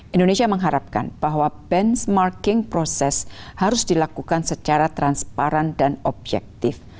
indonesia mengharapkan bahwa benchmarking proses harus dilakukan secara transparan dan objektif